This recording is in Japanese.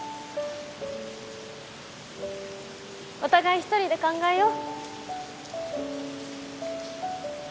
お互い１人で考えよう！